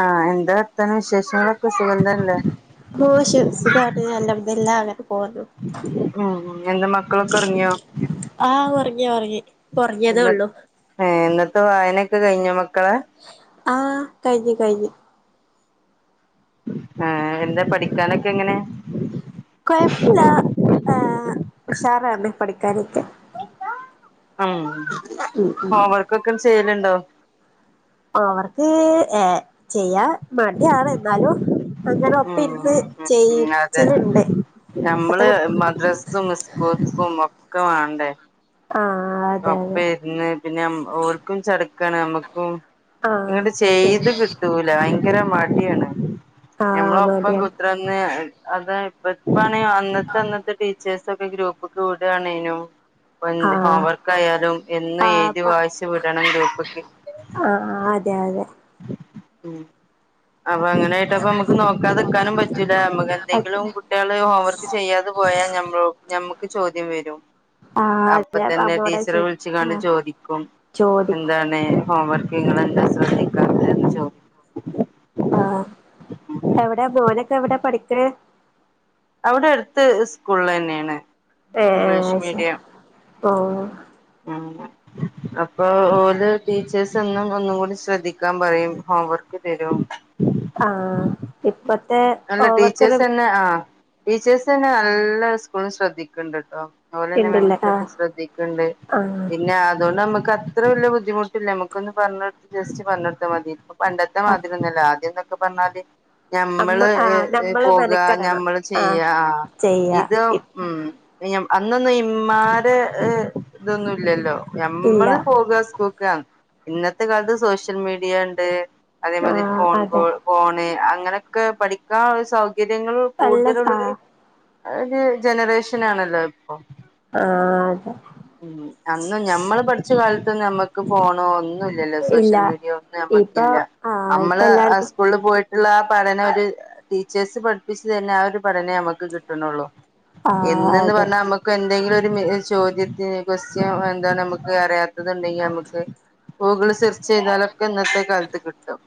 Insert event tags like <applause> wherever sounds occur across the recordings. ആ എന്ത വർത്താനം വിശേഷങ്ങളൊക്കെ സുഖന്തേനല്ലേ ഓഹ് ശ് സുഖാണ് അൽഹംദുലില്ലാഹ് അങ്ങനെപോന്നു ആ നീ എന്താ മ ക്കളൊക്കൊർങ്ങ്യ ആ ഒർങ്ങി ഒർങ്ങി ഇപ്പൊർങ്ങിയതേള്ളൂ ഏ ഇന്നത്തെ വായനൊക്കെ കഴിഞ്ഞോ മക്കളെ ആ കഴിഞ് കഴിഞ് ആ എന്താ പഠിക്കാനൊക്കെങ്ങനെ കൊഴ്പ്പല്ല്യാ ഉഷാറാണ് പഠിക്കാനൊക്കെ ആഹ് ഹോംവർക്കൊക്കെ ചെയ്യലുണ്ടോ? ഹോം വർക്ക് ഏഹ് ചെയ്യാ മടിയാണ് എന്നാലുംഅങ്ങനെ ഉം ഒപ്പര്ന്ന് ചെയ്യിച്ചല്ണ്ട്. ഞമ്മള് മദ്രസത്തും ഇസ്കൂൾക്കും ഒക്കെ വാണ്ടേ ആഹ് ആഹ് ആ ഒപ്പരിന്ന് പിന്നെ ഓല്ക്കും ചട്ക്കാണ് നമ്മക്കും ആഹ് ഇങ്ങട് പിന്നെ ചെയ്ത് കിട്ടൂല ഭയങ്കര മടിയാണ് ആഹ് ഞമ്മളൊപ്പം മടിയാണ് കുത്തർ ന്ന് അതാ ഇപ്പഴ് ഇപ്പാണേ അന്നത്തെ അന്നത്തെ ടീച്ചേഴ്സ ഒക്കെ ഗ്രൂപ്പ്ക്ക് വിടാണേനും <unintelligible> ഹോം ആഹ് വർക്ക് ക്കായാലും എന്നും ആഹ് എഴുതി അപ്പ വായിച്ചു വിടണെ ഗൂപ്പ്ക്ക് ആഹ് അതെ അതെ ഉം അപ്പൊ അങ്ങനൊയിട്ട്പ്പ നമ്മക്ക് നോക്കാതെക്കാനും പറ്റൂല നമ്മക്ക് പറ്റൂല എന്തെങ്കിലും കുട്ടികള് ഹോംവർക്ക് ത് ചെയ്യാതെ പോയാ ഞമ്മൾ ഞമ്മക്ക് ചോദ്യം വെരും ആഹ് അതെ <unintelligible> ടീച്ചറെ വിളിച്ച്ങ്ങാണ്ട് ആഹ് ചോദിക്കും ചോദിക്കും എന്താണ് ഹോം വർക്ക് ഇങ്ങളെന്താ ശ്രദ്ധിക്കാത്തെന്ന് ചോദിക്കും ആഹ് എവിടെ മോനൊക്കെ എവിടെ പഠിക്കണ്? അവിടെ അടുത്ത് സ്കൂളിലെന്നെയാണ് ഏഹ് ഏഹ് അയിശെരി ഉം ഉം ആഹ് അപ്പൊ ഓല് ടീച്ചേഴ്സ് ഒന്ന് ഒന്നും കൂടി ശ്രദ്ധിക്കാൻ പറയും ഹോംവർക്ക് തരും ആഹ് ഇപ്പത്തെ അല്ല ഹോംവർക്കെല്ലം <unintelligible> ആഹ് ടീച്ചേഴ്സ് തന്നെ നല്ല സ്കൂള് ശ്രദ്ധിക്കണ്ട് ട്ടോ അതുപോലെന്നെ ഇണ്ടില്ലേ ആഹ് മെൻക്കട്ട് ശ്രദ്ധിക്കണ്ട് ആഹ് പിന്നെ അതുകൊണ്ട് നമ്മക്ക് അത് അത്ര വല്ല ബുദ്ധിമുട്ടില്ല നമുക്കൊന്ന് പറഞ്ഞൊടുത്ത് ജസ്റ്റ് പറഞ്ഞൊടുത്താ മതി ഇപ്പ പണ്ടത്തെ ആഹ് മാതിരി ഒന്നു അല്ല ആദ്യക്കെ ക്കെ പറഞ്ഞാല് ഞാ അമ്മ ഞമ്മള് ആഹ് ഏഹ് ഏഹ് നമ്മള് പോകാ മെനക്കെടണം ഞമ്മള് ചെയ്യാ ആഹ് ചെയ്യാ ഇത് ഉം ഞമ് അന്നൊന്നും ഇമ്മാരെ ഏഹ് ഇതൊന്നുല്ലല്ലോ ഇല്ല ഞമ്മള് പോകാ ഇസ്കൂ കാ ഇന്നത്തെ കാലത്ത് സോഷ്യൽ മീഡിയ ഇണ്ട് അതേമാതിരി ആഹ് ഫോൺ അതെ കോൾ ഫോണ് അങ്ങനെയൊക്കെ പഠിക്കാ ഒരു സൗകര്യങ്ങൾ നല്ല കൂടുതലുള്ളൊരു ആഹ് അത് ഒരു ജനറേഷനാണല്ലോ ഇപ്പം ആഹ് അതെ ഉം അന്ന് ഞമ്മള് പഠിച്ച കാലത്ത് ഞമ്മക്ക് ഫോണോ ഒന്നുല് ല്ലല്ലോ ഇല്ല സോഷ്യൽ മീഡിയാ ഒന്നും ഇപ്പൊ ഞമ്മക്കില്ല ആഹ് ഇപ്പ അമ്മള് ആ എല്ലാർക്കും സ്കൂള് പോയിട് ഇള്ള ആ പഠനം ഒരു ടീച്ചേഴ്സ് പഠിപ്പിച്ചതന്നെ ആ ഒരു പഠനമേ നമ്മക്ക് കിട്ടുണുള്ളൂ ആഹ് എന്ന്ന്ന് അതെ പറഞ്ഞാ നമ്മക്ക് എന്തെങ്കിലും ഒരു മി സ് ചോദ്യത്തിനെ കൊസ്റ്റ്യൻ എന്താണ് നമ്മക്ക് അറിയാത്തത് ഇണ്ടെങ്കി നമ്മക്ക് ഗൂഗിൾ സെർച്ച് ചെയ്താലൊക്കെ ഇന്നത്തെ കാലത്ത് കിട്ടും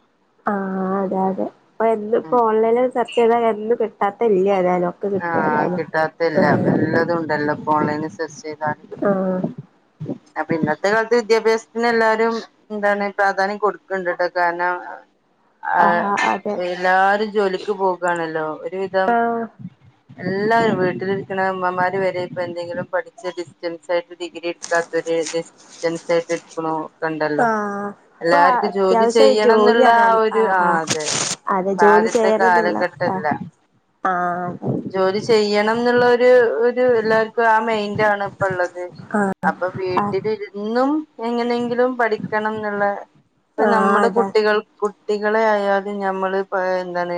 ആഹ് അതെ അതെ അപ്പൊ ഇന്ന് ഇപ്പോ ഉം ഓൺലൈനി സെർച്ച് ചെയ്താ <unintelligible> കിട്ടാത്ത ഇല്ല ഏതാലും ആഹ് കിട്ടാത്തല്ല എല്ലാതുണ്ടല്ലോ ഇപ്പ ഓൺലൈന് സെർച്ച് ചെയ്താ ആഹ് അപ്പൊ ഇന്നത്തെ കാലത്ത് വിദ്യാഭ്യാസത്തിന് എല്ലാരും എന്താണ് പ്രാധാന്യം കൊടുക്കണ്ട്ട്ടോ കാരണം ആഹ് എല്ലാരും ജോലിക്ക് പോകാണല്ലോ ഒരുവിധം ആഹ് എല്ലാരും വീട്ടിലിരിക്കുന്ന അമമ്മമാര് വരെ ഇപ്പ എന്തെങ്കിലും പഠിച്ച ഡിസ്റ്റൻസ് ആയിട്ട് ഡിഗ്രി എടുക്കാത്തര് ഡിസ് റ്റൻസായ്റ്റ് ക്ണൂ കണ്ടല്ലോ ഇപ്പൊ എല്ലർക്കും ജോലി അത്യാവശ്യം ചെയ്യണം ന്നുള്ള ജോലിയാണ് ആ അൽ ഒരു ആഹ് അതെ അതെ ജോലി ആദ്യത്തെ ചെയ്യണന്നുള്ള കാലഘട്ടല്ല ആഹ് തെ ജോലി ചെയ്യണം ന്നുള്ളരു ഒരു എല്ലാർക്കും ആഹ് മെയിന്റാണ് പള്ളത് ആഹ് അതെ ആഹ് അപ്പൊ ആഹ് വീട്ടിലിന്നും എങ്ങനെയെങ്കിലും പഠിക്കണം ന്നുള്ള പം ആഹ് നമ്മുടെ അതാ കുട്ടികൾ കുട്ടികളെ ആയാതും ഞമ്മള് പ എന്താണ്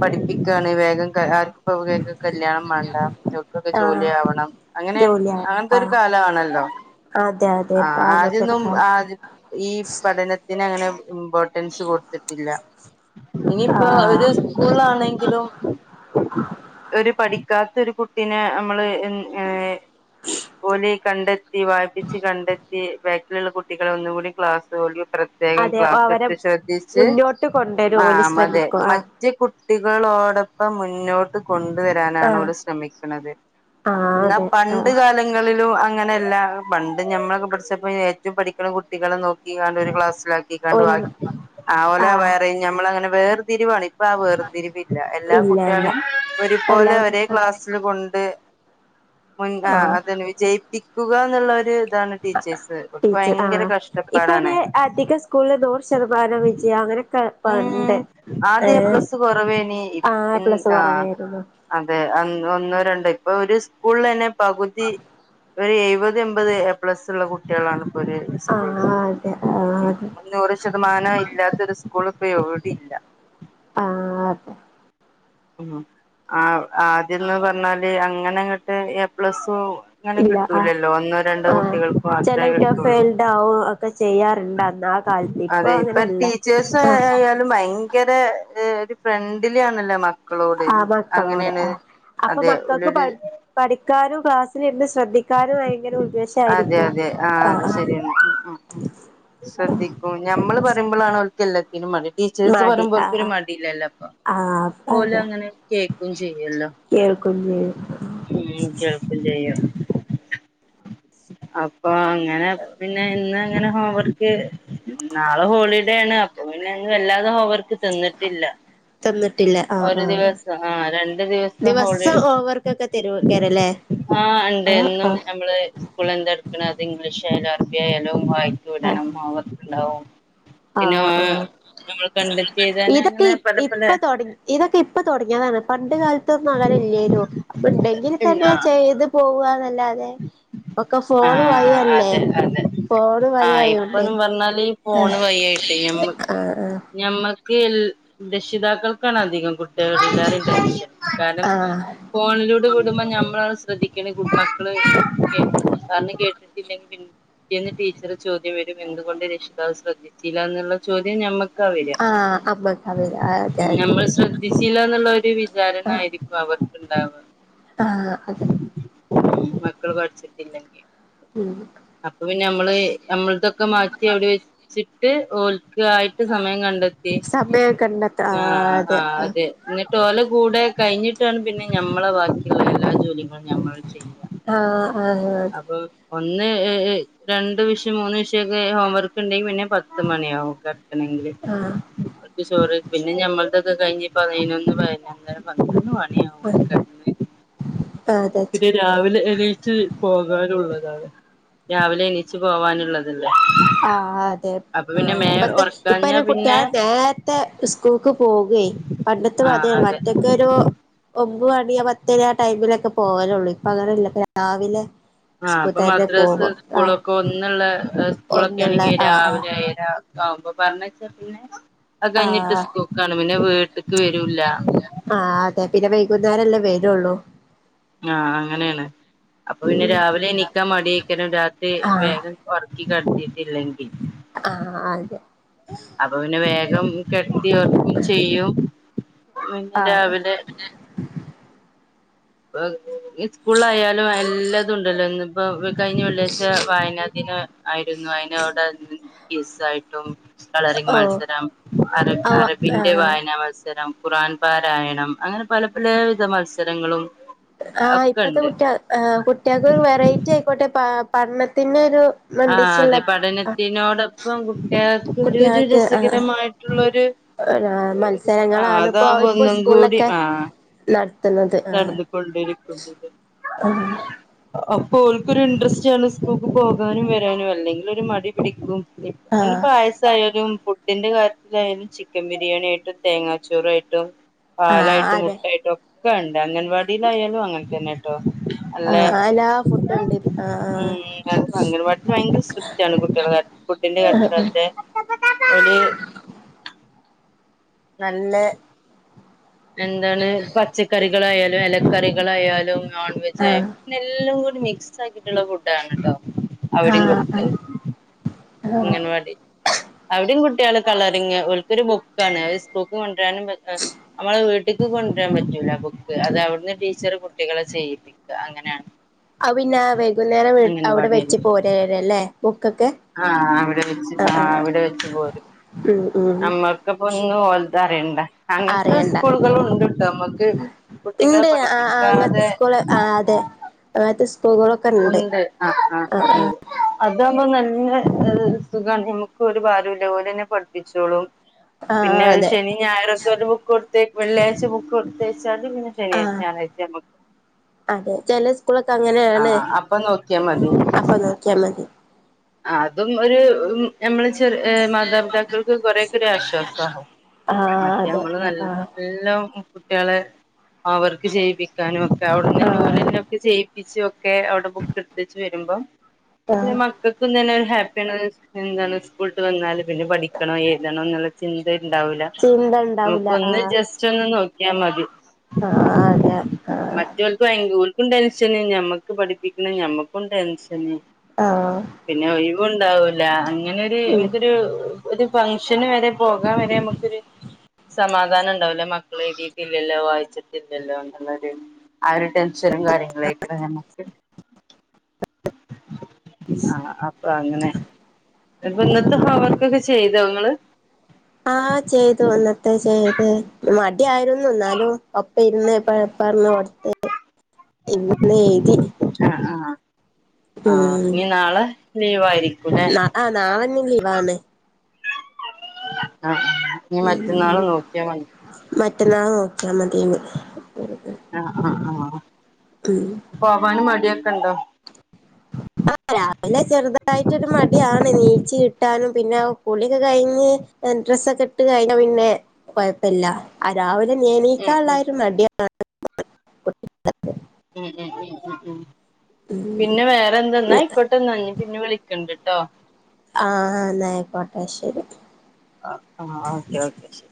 പഠിപ്പിക്കാണ് വേഗം ക്കെ ആർക്കിപ്പ <unintelligible> കല്യാണം മാണ്ട <unintelligible> ക്കൊക്കെ ആഹ് ജോലി ആവണം അങ്ങനെ ജോലിയാ അങ്ങൻത്തെ ഒരു ആഹ് കാലവാണല്ലോ അതെ അതെ ഇപ്പ ആഹ് അങ്ങനത്തൊരു ആദ്യംന്നും കാലം ആദ്യ ഈ പഠനത്തിന് അങ്ങനെ ഇമ്പോർട്ടൻസ് കൊടുത്തിട്ടില്ല ഇനിയിപ്പോ ആഹ് ഒരു സ്കൂളാണെങ്കിലും. ഒരു പഠിക്കാത്ത ഒരു കുട്ടിനെ അമ്മള്, എൻ ഏഹ് ഓല് കണ്ടെത്തി വായിപ്പിച്ച് കണ്ടെത്തി ബാക്കിലുള്ള കുട്ടികളെ ഒന്നും കൂടി ക്ലാസ് തോലി പ്രത്യേകം അതെ ക്ലാസ്സ് അവരെ എടുത്ത് ശ്രദ്ധിച്ച് മുന്നോട്ട് കൊണ്ടുവരും ഓല് ആഹ് മതെ ശ്രമിക്കും മ ആഹ് ജ്ജ് കുട്ടികളോടൊപ്പം മുന്നോ ഇത്‌ കൊണ്ടുവരാനാണ് ആഹ് ഓല് ശ്രമിക്ക്ണത്. ആഹ് എന്ന അതെ പണ്ട് ആഹ് കാലങ്ങ ങ്ങളിലു അങ്ങനെയല്ല, പണ്ട് ഞമ്മളൊക്കെ പഠിച്ചപ്പോ ഏറ്റവും പഠിക്കുന്ന കുട്ടികളെ നോക്കികാണ്ട് ഒരു ക്ലാസ്സിലാക്കി. കാണ്ട് ഓല് വാക്കി ആയ് ഓലെ ആഹ് വേറെയും ഞമ്മളങ്ങനെ വേർതിരിവാണ്. ഇപ്പൊ ആ വേർതിരിവില്ല. എല്ലാ കു ഇല്ല ഇല്ല ട്ടേളീം ഒരുപോലെ എല്ലാവരും ഒരേ ക്ലാസ്. ച്ല കൊണ്ട് ആഹ് അതെന്നെ വിജയിപ്പിക്കുക ന്നുള്ള ഒരു ഇതാണ്. ടീച്ചേഴ്സ്. ഓര്ക് ടീച്ചർ ഭയങ്കര കഷ്ടപ്പാടാണ്. സ്കൂളിൽ നൂറ് ശതമാനം വിജയ അങ്ങനെയൊക്കെ. ഉം, പണ്ട് ഏ ആദ്യ എപ്ലസ്സ് കുറവേനി. ഇപ് ആ ഉം പ്ലസ് ആഹ് കുറവായിരുന്നു അതെ, ഒന്നോ രണ്ടോ ഇപ്പൊ ഒരു സ്കൂളന്നെ പകുതി. ഒരു എഴുപത് എൺപത് എപ്ലസ് ഉള്ള കുട്ടികളാണ് ഇപ്പോ ഒര് ആഹ് അതെ, ആഹ് അതെ. നൂറ് ശതമാനം ഇല്ലാത്തൊരു സ്കൂൾ ഇപ്പ എവിടില്ല. ആഹ് അതെ. ഉം. ആ ആദ്യന്ന് പറഞ്ഞാല് അങ്ങനെങ്ങട്ട് എ പ്ല സ്സു. അങ്ങനെ ഇല്ല ആ കിട്ടൂലല്ലോ? ഒന്നോ രണ്ടോ കുട്ടികൾക്ക് മാത്രേ കിട്ടുള്ളൂ. ണ്ടാവു ഒക്കെ ചെയ്യാറുണ്ട് അന്ന് ആ കാലത്ത്, ഇപ്പൊ അങ്ങനെയല്ല. ആഹ് ത് ഭയങ്കര ഒരു ഫ്രണ്ട്ലി ആണല്ലോ മ ക്കളോട്, ആ മക്കളോടെ അങ്ങനെണ് ആ അപ്പൊ അതെ മക്കൾക്ക് ഒലുലു പഠി പഠിക്കാനും ക്ലാസ്സിലിരുന്ന് ശ്രദ്ധിക്കാനു ഭയങ്കര ഉ അതെ അതെ, ആഹ് അത് ശരിയാണ്. ഉം ഉം ശ്രദ്ധി ക്കു ഞമ്മള് പറയുമ്പളാണ് അവർക്ക് എല്ലത്തിനും മടി. ടീച്ചേഴ്സ് മടി ആ പറയുമ്പോൽക്കരു മടില്ലല്ലോ അപ്പൊ, ആ ആ ഓലും അതെ അങ്ങനെ കേക്കും ചെയ്യല്ലോ. കേൾക്കും ചെയ്യും ഉം കേൾക്കും ചെയ്യ. അപ്പൊ അങ്ങനെ പിന്നെ ഇന്ന് അങ്ങനെ ഹോം വർക്ക്. നാളെ ഹോളിഡേ ആണ്, അപ്പൊ പിന്നെ ഇന്ന് വല്ലാതെ ഹോം വർക്ക്‌ തിന്നിട്ടില്ല. ആഹ് ഒരു ആഹ് ദിവസം, ആഹ് രണ്ടു ദിവസം ഹോളി ദിവസം ഓക്കെ തരുവക്കാരല്ലേ ആഹ് ണ്ട് എന്നും നമ്മള് സ്കൂളിൽ എന്തട്ക്ണ് അത് ഇംഗ്ലീഷ് ആയാലും, അറബി ആയാലും വായിച്ചു ആഹ് വിടണം. ഹോം വർക്ക്‌ ഉണ്ടാവും. പിന്നെ ആഹ് ആഹ് ഞമ്മൾ കണ്ടെത്തി എഴുതാൻ ന് ഇതൊക്കെ അങ്ങനെ പല പല... ഇപ്പൊ തുടങ്ങി ഇതൊക്കെ ഇപ്പൊ തുടങ്ങിയതാണ്. പണ്ട് കാലത്തൊന്നും അങ്ങന ഇല്ലേയിനു അപ്പൊ ഉണ്ടെങ്കിൽ ഇല്ല തന്നെ ചെയ്ത്... പോവാ നല്ലാതെ. ഒക്കെ ഫോണ് ആഹ് വയല്ലേ അതെ അതെ ഫോണ് വഴി ആഹ് ആയോണ്ട്. ഇപ്പൊന്നും പറഞ്ഞാല്. ആഹ, ആഹ ആഹ് ഞമ്മൾക്ക് എൽ രക്ഷിതാക്കൾക്കാണ് അധികം. കുട്ടികള കാരണം ആഹ് ആഹ് ഫോണിലൂടെ വിടുമ്പോ നമ്മളാണ് ശ്രദ്ധിക്കണ് കുട്ടികളെ പറഞ്ഞത് കേട്ടിട്ടില്ലെങ്കിൽ ന്ന് ടീച്ചർ ചോദ്യം വരും, എന്തുകൊണ്ട് രക്ഷിതാവ് ശ്രദ്ധിച്ചില്ല എന്നുള്ള ചോദ്യം ഞമ്മക്ക്. ക്ക വര. ആഹ് അമ്മക്ക് അവര് അതെ അതെ നമ്മൾ ശ്രദ് ദ്ധിച്ചീല എന്നുള്ള ഒരു വിചാരണ ആയിരിക്കും അവർക്കുണ്ടാവ. ആഹ അതെ. മക്കള് പഠിച്ചിട്ടില്ലെങ്കി. ഉം അപ്പൊ പിന്നെ നമ്മള് നമ്മൾതൊക്കെ മാറ്റി അവിടെ വെച്ചിട്ട്. ഓൽക്കായി സമയം കണ്ടെത്തി സമയം കണ്ടെത്ത ആ ആഹ് ആ ആഹ് അതെ. എന്നിട്ട് ഓല കൂടെ കഴിഞ്ഞിട്ടാണ് പിന്നെ ഞമ്മളെ ബാക്കിയുള്ള എല്ലാ ജോലികങ്ങളും ഞമ്മൾ ചെയ്യുക. ആഹ ആഹ് അപ്പോ. ഒന്ന് രണ്ട് വിഷം മൂന്ന് വിഷയം ഒക്കെ ഹോം വർക്ക് ഉണ്ടെങ്കിൽ പിന്നെ പത്ത് മണിയാകും കിടക്കണ മെങ്കിൽ ആഹ് പിന്നെ ചോറ് പിന്നെ ഞമ്മളൊക്കെ കഴിഞ് പയിനൊന്നു പായിനൊന്നര പന്ത്രണ്ടു മണിയാവും കിടക്കാൻ. അ അതെ രാവിലെ എണീച്ച് പോകാനുള്ളതാണ്. രാവിലെ എണീച്ച് പോവാനുള്ളത്. ആഹ അതെ പിന്നെ ആഹ മേ പേ ഇപ്പ ഉറക്കാഞ്ഞാ ഐന് പിന്നെ കുട്ടികളെ നേര മത്തെ സ്കൂൾക്ക് പോകുകയ് പണ്ടത്തെ മതി ആഹ് അതെ മറ്റൊക്കെരു. ഒമ്പ് മണിയാ പത്തര ആ ടൈമിലൊക്കെ പോവലുള്ളൂ. ഇപ്പ അങ്ങനെയല്ല രാവിലെ ആഹ സ്കൂൾ അപ്പൊ തന്നെ മദ്രാസ് പോകും ആഹ് സ്കൂളൊക്കെ ഒന്നുള്ള സ്കൂളൊക്കെ ഒന്നുള്ള ആണെങ്കിൽ ആഹ് ആഹ് രാവിലെ ഏയര. ആവുമ്പ പറഞ്ഞ വച്ചാ പിന്നെ അ കഴിഞ്ഞിട്ട് ആഹ് സ്കൂൾക്കാണ് പിന്നെ വീട്ട്ക്ക് വരൂല. ആ അതെ പിന്നെ വൈകുന്നേരംല്ലേ വേരുള്ളൂ. ആഹ അങ്ങനെയാണ് അപ്പൊ പിന്നെ ഉം രാവിലെ എണീക്കാൻ മടിക്കാനും. രാത്രി ആഹ് വേഗം വർക്ക് കഴിഞ്ഞിട്ടില്ലെങ്കിൽ. ആഹ അതെ അപ്പം പിന്നെ വോഗം കെടത്തിഉറക്കും ചെയ്യും. പിന്നെ ആഹ് രാവിലെ ഈ സ്കൂളായാലും എല്ലാതും ഉണ്ടല്ലോ ഇ ഇപ്പോ കഴിഞ്ഞ വെള്ളിയാഴ്ച്ച വായനദിനം. ആയിരുന്നു അതിനവിടെ ക്വിസായിട്ടും. കളറിങ് ഓഹ് മത്സരം അറബ ആഹ് അറബിന്റെ ആഹ് വായനാ മത്സരം. മത്സരം ഖുറാൻ പാരായണം അങ്ങനെ പല പലോ വിധ മത്സരങ്ങളും. ആ ഒക്കെ ഇപ്പത്തെ ഉണ്ട് കുട്ട കുട്ടികൾക്ക് ഒരു വെറൈറ്റി ആയിക്കോട്ടെ പഠനത്തിന്റെ ഒരു. ആ അതെ പഠനത്തിനോടൊപ്പം കുട്ടികൾക്ക് ഒരു ഒരു കുട്ടികൾക്ക് ആ രസകരമായിട്ടുള്ളരു. ആ മത്സരങ്ങളാണ് ഇപ്പോ അതകുമ്പോ ഇപ്പോ ഒന്നും കൂടി സ്കൂളിലൊക്കെ ആഹ. നടത്തുന്നത്. ആ നടന്നുകൊണ്ടിരിക്കുന്നത്. ആ അപ്പൊ അവർക്കൊരു ഇൻട്രസ്റ്റ് ആണ് സ്കൂൾക്ക് പോകാനും വരാനും അല്ലെങ്കിൽ ഒരു മടി പിടിക്കും ആ അതി പായസായാലും പു ഇതിന്റെ കാര്യത്തിലായാലും ചിക്കൻ ബിരിയാണി ആയിട്ടും തേങ്ങാച്ചോറായിട്ടും ആ പാലായിട്ട് അതെ മുട്ടായിട്ടും ഒക്കെ ഉണ്ട് അഗൻവാടിയിലായാലും അങ്ങനെ തന്നെ ട്ടോ നല്ല ആഹ് ആല്ലാ ഫുഡ്ണ്ട് ആഹ് ആഹ് അംഗനവാടി ഭയങ്കര സ്ട്രിക്റ്റ് ആണ് കുട്ടികൾടെ കാര്യത്തിൽ ഫുഡിന്റെ കാര്യ <unintelligible> ഒര് നല്ലെ എന്താണ് പച്ചക്കറികളായാലും എലക്കറികളായാലും നോൺവെജ ആ ആയോ അങ്ങനെ എല്ലാം കൂടി മിക്സ് ആക്കിയിട്ടുള്ള ഫുഡ് ആണ് കേട്ടോ ആ അവിടെയും കൊടുക്കുക അങ്ങനവാടി അവിടയും കുട്ടികള് കളറിങ്ങ് അവക്കൊരു ബുക്കാണ് അവര് സ്കൂക്ക് കൊണ്ടുവരാനും വെക്കാ നമ്മള് വീട്ടിക്ക് കൊണ്ടുവരാൻ പറ്റൂല ബുക്ക് അത് അവിടുന്ന് ടീച്ചർ കുട്ടികളെ ചെയ്പ്പി അങ്ങനെയാണ് അത് പിന്നെ വൈകുന്നേരം അവിടെ അംഗൻവാടിയില് വെച്ച് പോരെര അല്ലേ ബുക്കൊക്കെ ആഹ് അവിടെ വെച്ച് ആ ആ ആഹ് അവിടെ വെച്ച് പോരും ഉം ഉം നമ്മക്കിപ്പോ ഒന്നും ഓൽതറിയണ്ട അങ്ങനത്തെ സ്കൂളുകളുണ്ട് ഉണ്ട് ആഹ് ആ അങ്ങനത്തെ പഠിപ്പിക്കാതെ സ്കൂള് ആഹ് അതെ അങ്ങനത്തെ സ്കൂളുകളൊക് ഉണ്ട് ആഹ് ആഹ് ആഹ് ഉണ്ട് അതാകുമ്പോ നല്ല ഒരു സുഖമാണ് നമക്ക് ഒരു പാടുവില്ല ഓല് തന്നെ പഠിപ്പിച്ചോളും ആ ആ പിന്നെ അതെ ശനി ഞായറൊക്കെ ഓല് ബുക്ക് കൊടുത്ത വെള്ളിയാഴ്ച ബുക്ക് കൊടുത്ത് അയച്ചാല് പിന്നെ ആ ശനിയാഴ്ച്ച ഞാറാഴ്ചആകുമ്പോ അതെ ചെല സ്കൂളൊക്കെ അങ്ങനെയാണ് ആഹ് അപ്പൊ നോക്കിയാ മതി അപ്പൊ നോക്കിയാ മതി അതും ഒരു ഞമ്മളെ ചെറ മാതാപിതാക്കൾക്ക് കൊറെക്കെ ഒരു ആശ്വാസ ആഹ് മറ്റെ അതെ നമ്മൾ ആഹ് ആഹ് നല്ലം കുട്ടികളെ ഹോം വർക്ക് ചെയ്യിപ്പിക്കാനും ഒക്കെ അവിടുന്ന് ആഹ് ഓലന്നെ ഇത് ചെയ്യിപ്പിച്ചു ഒക്കെ അവിടെ ബുക്ക് ഇട്‌ത്തച്ച് വരുമ്പം ആഹ് ഇവക്കും തന്നെ ഹാപ്പിയാണത് എന്താണ് സ്കൂൾട്ട് വന്നാല് പിന്നെ പഠിക്കണോ എഴുതണോ എന്നുള്ള ചിന്ത ഉണ്ടാവൂല്ല ചിന്ത ഉണ്ടാവൂല നമുക്ക് ഒന്ന് ആഹ് ജസ്റ്റ് ഒന്ന് നോക്കിയാ മതി ആഹ് അതെ ആഹ് <unintelligible> ഞമ്മക്കും പഠിപ്പിക്കണ ഞമ്മക്കും ടെൻഷന് ആഹ് പിന്നെ ഒഴിവും ഉണ്ടാവൂല അങ്ങനെ ഒരു ഉം നമുക്കൊരു ഒരു ഫംഗ്ഷന് വേരെ പോകാംവരെ നമുക്കൊരു സമാധാനം ഉണ്ടാവൂല മക്കൾ എഴുതിട്ടില്ലല്ലോ വായിച്ചിട്ടില്ലല്ലോ എന്നുള്ളരു ആ ഒരു ടെൻഷനും കാര്യങ്ങളെയ്കാരം നമുക്ക് ആഹ് അപ്പൊ അങ്ങനെ അപ്പംഇന്നത്തെ ഹോം വർക്ക് ഒക്കെ ചെയ്തോ ഇങ്ങള് ആഹ് ചെയ്തു ഇന്നത്തെ ചെയ്ത് മടി ആയിരുന്നു എന്നാലും ഒപ്പം ഇര്ന്ന് ഇപ്പ പറഞ്ഞ് കൊടുത്ത് ഇന്ന് എഴുതി ആഹ് ആഹ് ആഹ് ഉം ഇനി നാളെ ലീവ് ആയിരിക്കൂല്ലേ ആഹ് നാളെ ഇഞ്ഞി ലീവാണ് ആ ഇനി മറ്റന്നാള് നോക്കിയാ മതി മറ്റന്നാള് നോക്കിയാ മതിന്ന് ആഹ് ആഹ് ആഹ് ഉം പോവാന് മടിയൊക്കെ ഉണ്ടോ ആഹ് രാവിലെ ചെറുതായിട്ടൊരു മടിയാണ് എനീച്ച് കിട്ടാനും പിന്നെ കുളിയൊക്കെ കഴിഞ്ഞ് ഡ്രസ്സൊക്കെ ഇട്ട് കഴിഞ്ഞാ പിന്നെ കൊഴപ്പവില്ല ആ രാവിലെ ഉം എണീക്കാൻ ഉള്ള ഉം ഒരു മടിയാ ഉം ഉം ഉം ഉം പിന്നെ വേ റേ പിന്നെന്താ എന്നാ ആയിക്കോട്ടെ പിന്നെ വിളിക്കണ്ട് ട്ടോ ആഹ് ആഹ് എന്നാ ആയിക്കോട്ടെ ശരി ആഹ് ആഹ് ഓക്കെ ഓക്കെ ശരി